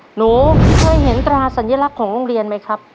หนูเคยเห็นตราสัญลักษณ์ของโรงเรียนไหมครับ